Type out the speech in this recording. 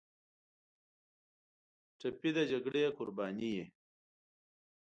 ټپي د جګړې قرباني وي.